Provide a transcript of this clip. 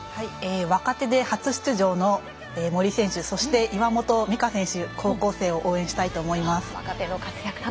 若手で初出場の森選手そして岩本美歌選手高校生を応援したいと思います。